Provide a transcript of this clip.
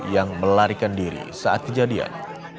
yang melarikan diri saat kejadian